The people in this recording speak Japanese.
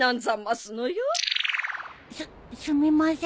すすみません。